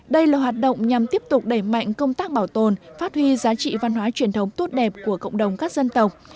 đây là hoạt động nhằm tiếp tục đẩy mạnh công tác bảo tồn phát huy giá trị văn hóa truyền thống tốt đẹp của cộng đồng các dân tộc